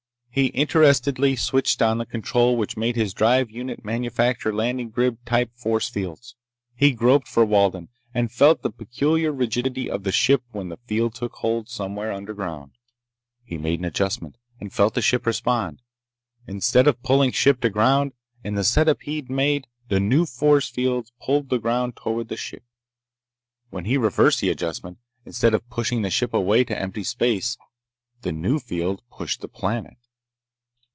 He interestedly switched on the control which made his drive unit manufacture landing grid type force fields. He groped for Walden, and felt the peculiar rigidity of the ship when the field took hold somewhere underground. He made an adjustment, and felt the ship respond. Instead of pulling a ship to ground, in the setup he'd made, the new fields pulled the ground toward the ship. When he reversed the adjustment, instead of pushing the ship away to empty space, the new field pushed the planet.